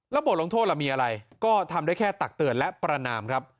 บทลงโทษล่ะมีอะไรก็ทำได้แค่ตักเตือนและประนามครับ